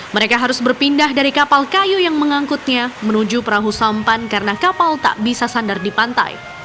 mereka harus berpindah dari kapal kayu yang mengangkutnya menuju perahu sampan karena kapal tak bisa sandar di pantai